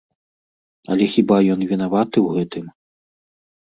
Але хіба ён вінаваты ў гэтым?